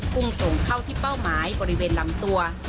พุ่งตรงเข้าที่เป้าหมายบริเวณลำตัว